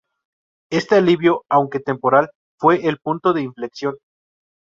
Este alivio, aunque temporal, fue el punto de inflexión.